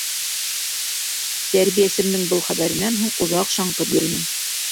Тәрбиәсемдең был хәбәренән һуң оҙаҡ шаңҡып йөрөнөм.